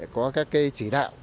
có các cái chỉ đạo